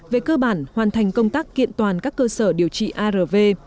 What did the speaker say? về cơ bản hoàn thành công tác kiện toàn các cơ sở điều trị arv